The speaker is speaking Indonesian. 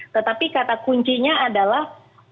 tetapi kata kuncinya adalah